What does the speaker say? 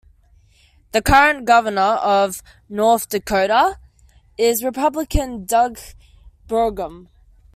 The current Governor of North Dakota is Republican Doug Burgum.